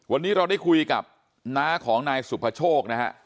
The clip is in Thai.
วันนี้เราได้คุยกับน้าของนายสุภโชคนะฮะ